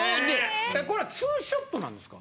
これは２ショットなんですか？